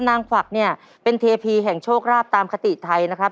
กวักเนี่ยเป็นเทพีแห่งโชคราบตามคติไทยนะครับ